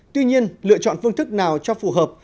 tuy nhiên lựa chọn phương thức nào cho phù hợp